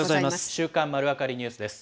週間まるわかりニュースです。